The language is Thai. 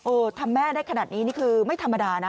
ทำแม่ได้ขนาดนี้นี่คือไม่ธรรมดานะ